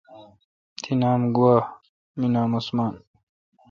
تی نام گوا می نام عثمان